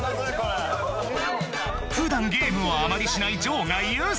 普段ゲームをあまりしないＪＯが優勢！